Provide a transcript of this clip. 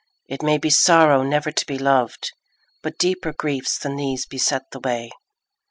It may be sorrow never to be loved, But deeper griefs than these beset the way.